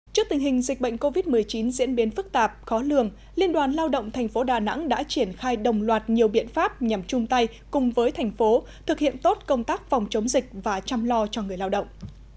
trước tình hình dịch bệnh covid một mươi chín diễn biến phức tạp khó lường liên đoàn lao động tp đà nẵng đã triển khai đồng loạt nhiều biện pháp nhằm chung tay cùng với thành phố thực hiện tốt công tác phòng chống dịch và chăm lo cho người lao động